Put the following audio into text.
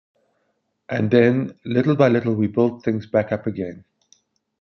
And then little by little we built things back up again.